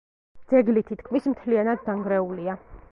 ძეგლი თითქმის მთლიანად დანგრეულია.